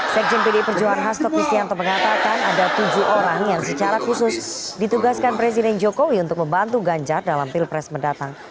sekjen pdi perjuangan hasto kristianto mengatakan ada tujuh orang yang secara khusus ditugaskan presiden jokowi untuk membantu ganjar dalam pilpres mendatang